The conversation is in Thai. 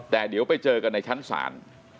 แต่เดี๋ยวไปเจอกันในชั้นศาล